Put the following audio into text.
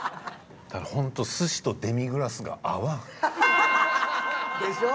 ただホント寿司とデミグラスが合わん。でしょ？